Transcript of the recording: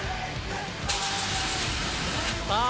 さあ